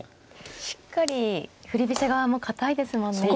しっかり振り飛車側も堅いですもんね。